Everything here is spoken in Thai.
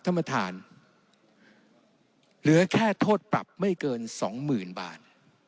ท่านประธานเหลือแค่โทษปรับไม่เกินสองหมื่นบาท